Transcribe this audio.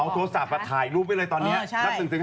เอาโทรศัพท์มาถ่ายรูปไว้เลยตอนนี้นับถึง๕๑๒๓๔๕